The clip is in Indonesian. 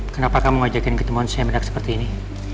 kenapa kamu ngajakin ketemuan saya menak seperti ini